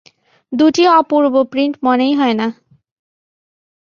দুটিই অপূর্ব প্রিন্ট মনেই হয় না।